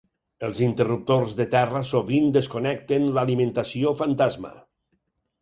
El interruptors de terra sovint desconnecten l'alimentació fantasma.